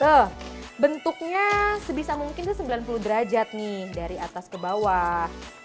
tuh bentuknya sebisa mungkin tuh sembilan puluh derajat nih dari atas ke bawah